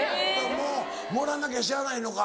もう盛らなきゃしゃあないのか。